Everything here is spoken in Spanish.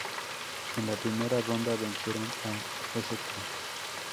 En la primera ronda vencieron a St.